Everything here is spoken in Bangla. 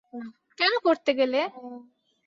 কেন করতে গেলে?